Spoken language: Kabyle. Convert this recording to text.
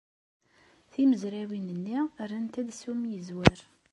Timezrawin-nni rrant-d s ummizwer.